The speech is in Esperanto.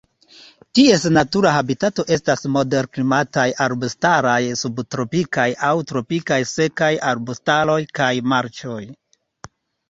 Ties natura habitato estas moderklimataj arbustaroj, subtropikaj aŭ tropikaj sekaj arbustaroj kaj marĉoj.